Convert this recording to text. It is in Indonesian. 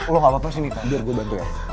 lo gak apa apa sini kak biar gue bantu ya